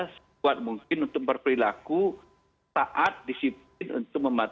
sebuah mungkin untuk berperilaku saat disiplin untuk memaksa